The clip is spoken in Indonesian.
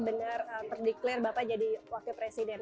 benar terdeklarasi bapak jadi wakil presiden